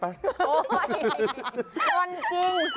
ไม่คนจริง